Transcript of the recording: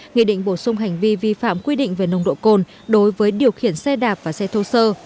nghị định bổ sung hành vi vi phạm quy định về nồng độ cồn đối với điều khiển xe đạp và xe thô sơ